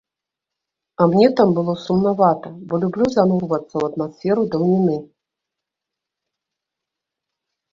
А мне там было сумнавата, бо люблю занурвацца ў атмасферу даўніны.